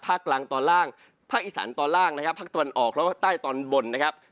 กลางตอนล่างภาคอีสานตอนล่างนะครับภาคตะวันออกแล้วก็ใต้ตอนบนนะครับ